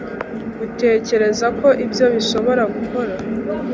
utekereza ko ibyo bishobora gukora